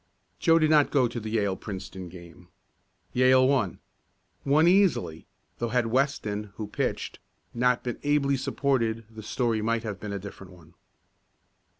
Joe did not go to the Yale Princeton game. Yale won. Won easily, though had Weston, who pitched, not been ably supported the story might have been a different one.